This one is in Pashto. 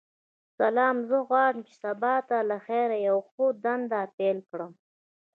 سلام ،زه غواړم چی سبا ته لخیر یوه ښه دنده پیل کړم.